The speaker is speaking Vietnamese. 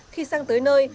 khi sang tới nơi